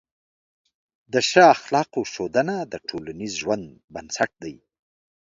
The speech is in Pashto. د ښه اخلاقو ښودنه د ټولنیز ژوند بنسټ دی.